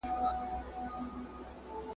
د یوې شېبې وصال دی بس له نار سره مي ژوند دی ..